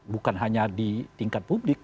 bukan hanya di tingkat publik